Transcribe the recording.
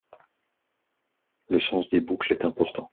Le sens des boucles est important.